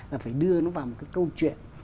là phải đưa nó vào một cái câu chuyện